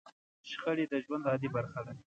شخړې د ژوند عادي برخه ده.